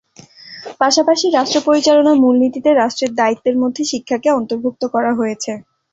পাশাপাশি রাষ্ট্র পরিচালনার মূলনীতিতে রাষ্ট্রের দায়িত্বের মধ্যে শিক্ষাকে অন্তর্ভুক্ত করা হয়েছে।